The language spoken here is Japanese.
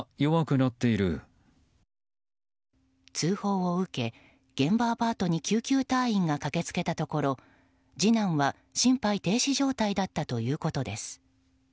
通報を受け現場アパートに救急隊員が駆け付けたところ次男は心肺停止状態だったということです。